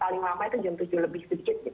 paling lama itu jam tujuh lebih sedikit